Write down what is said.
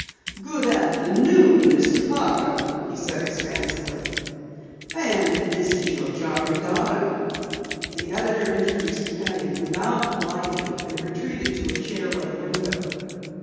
"Good afternoon, Mr. Parker," he said expansively. "And is this your charming daughter?" The editor introduced Penny, who bowed politely and retreated to a chair by the window.